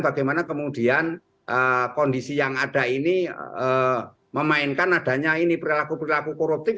bagaimana kemudian kondisi yang ada ini memainkan adanya ini perilaku perilaku koruptif